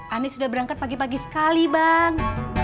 anies sudah berangkat pagi pagi sekali bang